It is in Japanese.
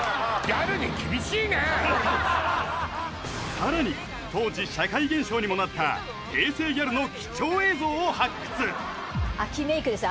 さらに当時社会現象にもなった平成ギャルの貴重映像を発掘秋メイクですよ